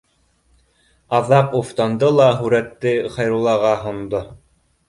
Аҙаҡ уфтанды ла һүрәтте Хәйруллаға һондо: